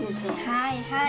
はいはい。